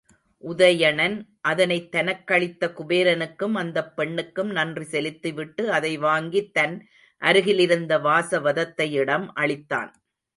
உதயணன் அதனைத் தனக்களித்த குபேரனுக்கும் அந்தப் பெண்ணுக்கும் நன்றி செலுத்திவிட்டு, அதை வாங்கித் தன் அருகிலிருந்த வாசவதத்தையிடம் அளித்தான்.